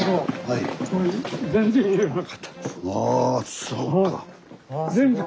あそうか。